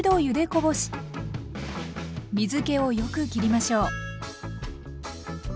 ゆでこぼし水けをよく切りましょう。